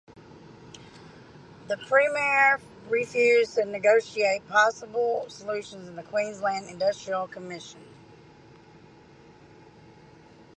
The Premier refused to negotiate possible solutions in the Queensland Industrial Commission.